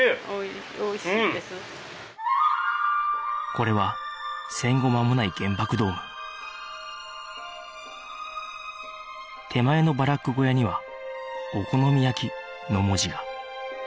これは戦後間もない原爆ドーム手前のバラック小屋には「お好み焼」の文字が